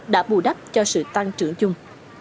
đã bù đắp cho sự tăng trưởng chung